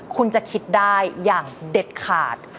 คุณจะคิดได้อย่างเด็ดขาด